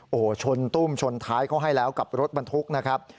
โอ้โหชนตุ้มชนท้ายเขาให้แล้วกับรถบรรทุกนะครับ